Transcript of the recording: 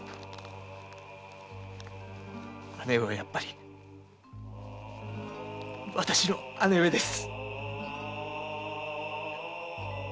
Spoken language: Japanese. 義姉上はやっぱり私の義姉上です！